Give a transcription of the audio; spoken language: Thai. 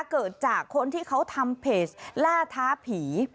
เกิดจากคนที่เขาทำเพจล่าท้าผี